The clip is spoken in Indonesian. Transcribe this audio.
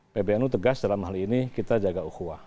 pbnu tegas dalam hal ini kita jaga ukhwah